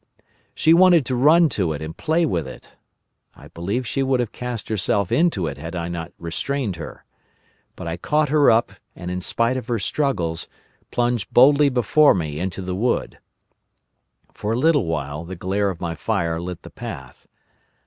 "She wanted to run to it and play with it. I believe she would have cast herself into it had I not restrained her. But I caught her up, and in spite of her struggles, plunged boldly before me into the wood. For a little way the glare of my fire lit the path.